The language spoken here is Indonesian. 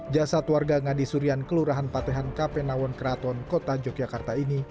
jasad warga ngadi surian kelurahan patehan kapenawon keraton kota yogyakarta ini